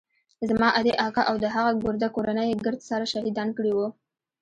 زما ادې اکا او د هغه ګرده کورنۍ يې ګرد سره شهيدان کړي وو.